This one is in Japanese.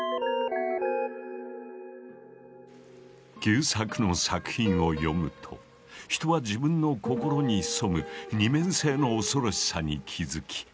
久作の作品を読むと人は自分の心に潜む二面性の恐ろしさに気付き